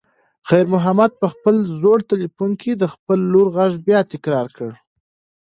خیر محمد په خپل زوړ تلیفون کې د خپلې لور غږ بیا تکرار کړ.